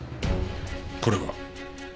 これは？